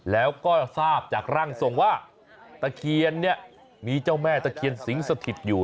แล้วก็ทราบจากร่างทรงว่าตะเคียนเนี่ยมีเจ้าแม่ตะเคียนสิงสถิตอยู่